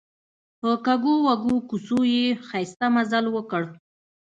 په کږو وږو کوڅو یې ښایسته مزل وکړ.